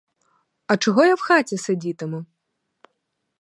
А чого я в хаті сидітиму?